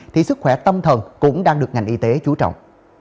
thì sức khỏe tâm thần cũng đang được ngành y tế chú trọng